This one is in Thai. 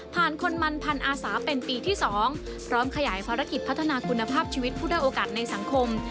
คนมันพันอาสาเป็นปีที่๒พร้อมขยายภารกิจพัฒนาคุณภาพชีวิตผู้ได้โอกาสในสังคม